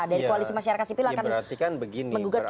dan koalisi masyarakat sipil akan menggugat ke mk